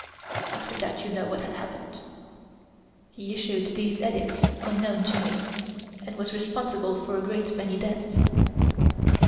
After that you know what happened. He issued these Edicts unknown to me and was responsible for a great many deaths.